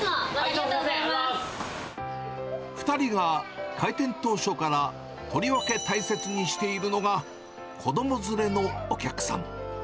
２人が開店当初からとりわけ大切にしているのが、子ども連れのお客さん。